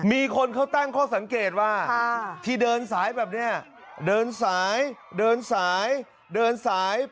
มีคนเขาตั้งข้อสังเกตว่าที่เดินสายแบบนี้เดินสายเดินสายเดินสาย